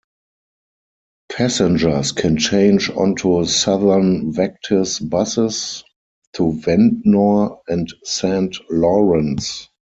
Passengers can change onto Southern Vectis buses to Ventnor and Saint Lawrence.